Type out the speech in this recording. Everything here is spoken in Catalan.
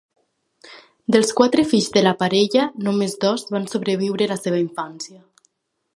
Dels quatre fills de la parella només dos van sobreviure la seva infància.